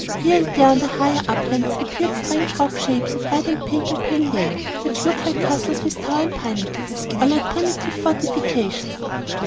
Here and there on the higher uplands appeared strange rock shapes of red and pink and pale yellow, which looked like castles with towers and pinnacles, or like primitive fortifications.